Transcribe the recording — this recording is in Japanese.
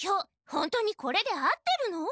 本当にこれで合ってるの？